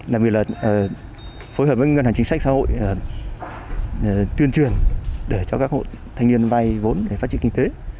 làm việc là phối hợp với ngân hàng chính sách xã hội tuyên truyền để cho các hội thanh niên vây vốn để phát triển kinh tế